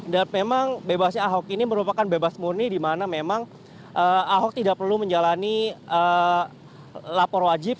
dan memang bebasnya ahok ini merupakan bebas murni di mana memang ahok tidak perlu menjalani lapor wajib